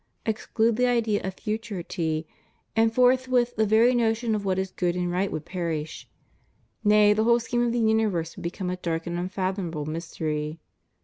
Exclude the idea of futurity, and forthwith the very notion of what is good and right would perish; nay, the whole scheme of the universe would become a dark and unfathomable mystery.